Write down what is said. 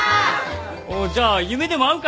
じゃあ夢でも会うか！？